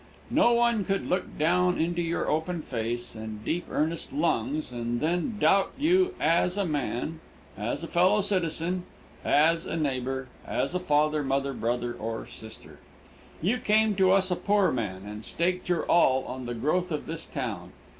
"No one could look down into your open face, and deep, earnest lungs, and then doubt you as a man, as a fellow citizen, as a neighbor, as a father, mother, brother or sister. You came to us a poor man, and staked your all on the growth of this town.